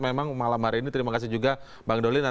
memang malam hari ini terima kasih juga bang doli